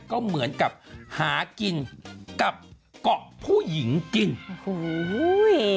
ก็เหมือนกับหากินกับเกาะผู้หญิงกินโอ้โห